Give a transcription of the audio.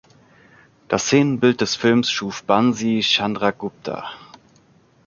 Das Szenenbild des Films schuf Bansi Chandragupta.